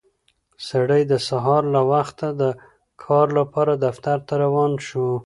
سړی د سهار له وخته د کار لپاره دفتر ته روان شو